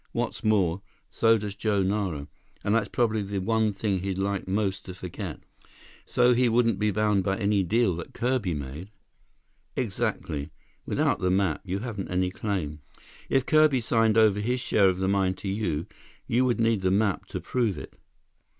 "What's more, so does Joe Nara, and that's probably the one thing he'd like most to forget." "So he wouldn't be bound by any deal that Kirby made?" "Exactly. Without the map, you haven't any claim. If Kirby signed over his share of the mine to you, you would need the map to prove it."